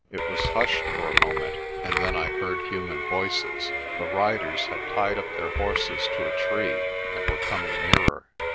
It was hushed for a moment and then I heard human voices. The riders had tied up their horses to a tree and were coming nearer.